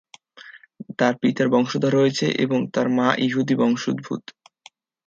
তাঁর পিতার বংশধর রয়েছে এবং তাঁর মা ইহুদি, বংশোদ্ভূত।